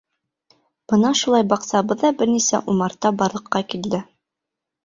Бына шулай баҡсабыҙҙа бер нисә умарта барлыҡҡа килде.